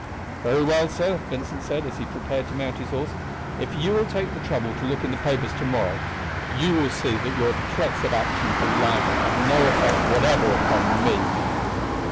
"Very well, sir," Vincent said, as he prepared to mount his horse; "if you will take the trouble to look in the papers to morrow, you will see that your threats of action for libel have no effect whatever upon me."